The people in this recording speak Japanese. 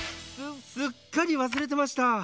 すすっかりわすれてました。